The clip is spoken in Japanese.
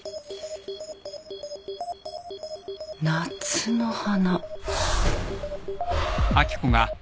夏の花。